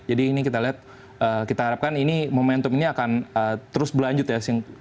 jadi ini kita lihat kita harapkan ini momentum ini akan terus berlanjut ya